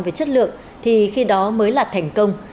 về chất lượng thì khi đó mới là thành công